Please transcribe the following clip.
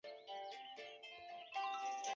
该市场也成为日立的的企业都市。